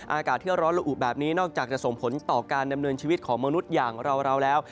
อากาศที่ร้อนละอุแบบนี้นอกจากจะส่งผลต่อการดำเนินชีวิตของมนุษย์อย่างเราแล้ว